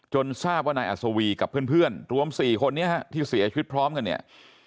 ทราบว่านายอัศวีกับเพื่อนรวม๔คนนี้ที่เสียชีวิตพร้อมกันเนี่ย